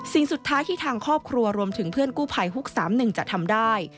สิ่งสุดท้ายที่ทางครอบครัวรวมถึงเพื่อนกู้ภัยฮุก๓๑จะทำได้